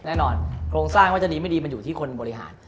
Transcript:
โครงสร้างว่าจะดีไม่ดีมันอยู่ที่คนบริหาร